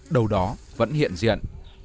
đầu đó vẫn hiện diện